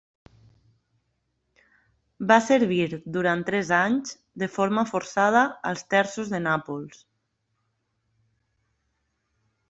Va servir durant tres anys, de forma forçada, als terços de Nàpols.